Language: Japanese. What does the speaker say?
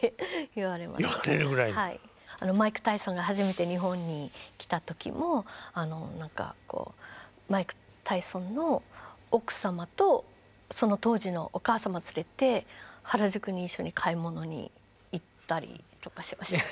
マイク・タイソンが初めて日本に来た時もマイク・タイソンの奥様とその当時のお母様を連れて原宿に一緒に買い物に行ったりとかしました。